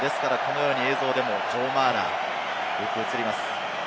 映像でもジョー・マーラー、よく映ります。